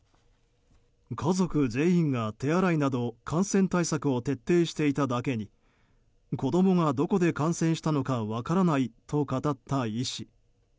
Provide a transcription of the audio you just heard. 家族全員が手洗いなど感染対策を徹底しただけに子供がどこで感染したのか分からないと語った医師。